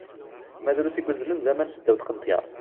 Ma drus i yuzzlen d aman seddaw teqneṭyar!